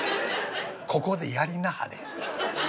ここでやりなはれ』。